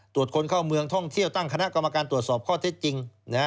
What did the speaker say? ตรวจคนเข้าเมืองท่องเที่ยวตั้งคณะกรรมการตรวจสอบข้อเท็จจริง